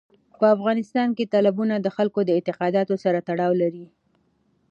په افغانستان کې تالابونه د خلکو د اعتقاداتو سره تړاو لري.